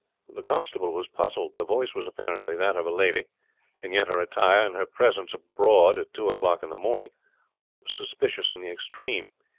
The constable was puzzled. The voice was apparently that of a lady, and yet her attire, and her presence abroad at two o'clock in the morning, was suspicious in the extreme.